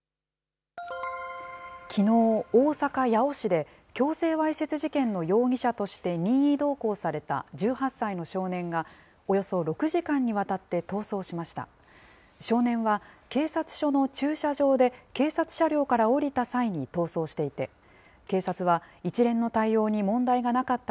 きのう、大阪・八尾市で、強制わいせつ事件の容疑者として任意同行された１８歳の少年が、およそ６時間にわたって逃走しました。